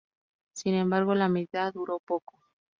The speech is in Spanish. Sin embargo, la medida duró poco.